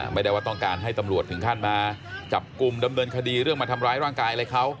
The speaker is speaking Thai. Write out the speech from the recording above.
ไม่ได้ว่าต้องการให้ตำรวจถึงขั้นมาจับกลุ่มดำเนินคดีเรื่องมาทำร้ายร่างกายอะไรเขา